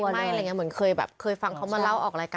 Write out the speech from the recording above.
นั่นแหละ